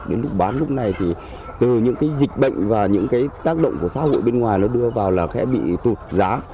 đến lúc bán lúc này thì từ những cái dịch bệnh và những cái tác động của xã hội bên ngoài nó đưa vào là sẽ bị tụt giá